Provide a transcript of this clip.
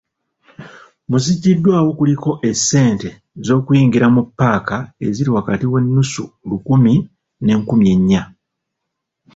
Mu ziggyiddwawo kuliko essente z'okuyingira mu paaka eziri wakati w'ennusu lukumi n'enkumi ennya..